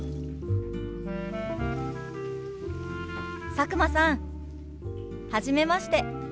佐久間さんはじめまして。